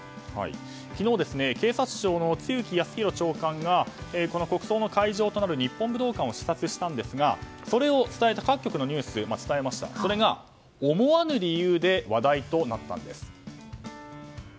昨日、警察庁の露木康浩長官が国葬の会場となる日本武道館を視察したんですがそれを伝えた各局のニュースそれが思わぬ理由で話題となったんです。